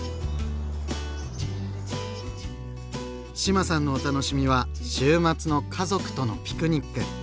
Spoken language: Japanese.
志麻さんのお楽しみは週末の家族とのピクニック。